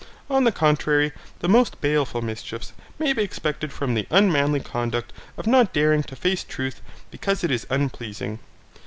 On the contrary, the most baleful mischiefs may be expected from the unmanly conduct of not daring to face truth because it is unpleasing.